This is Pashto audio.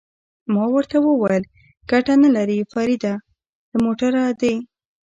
ما ورته وویل: ګټه نه لري، فرید له موټره دې.